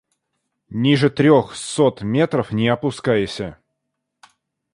Ниже трёх сот метров не опускайся.